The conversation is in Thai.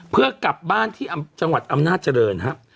เพื่อกลับบ้านที่จังหวัดอำนาจเจริญครับ